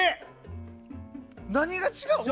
何が違うの？